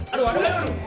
aduh aduh aduh